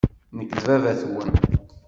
Nekk d baba-twen.